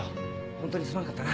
ホントにすまんかったな。